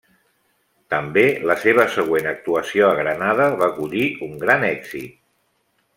També la seva següent actuació a Granada va collir un gran èxit.